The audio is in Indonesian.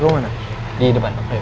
aku juga ingin siapkan